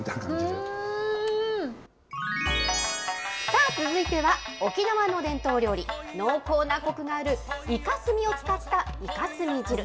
さあ続いては、沖縄の伝統料理、濃厚なこくがあるイカ墨を使ったいかすみ汁。